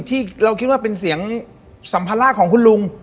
ที่เราคิดว่าเป็นเสียงสัมภาระของคุณลุง